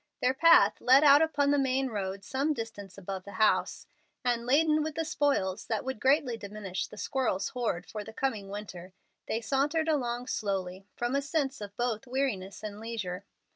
Their path led out upon the main road some distance above the house, and, laden with the spoils that would greatly diminish the squirrels' hoard for the coming winter, they sauntered along slowly, from a sense of both weariness and leisure.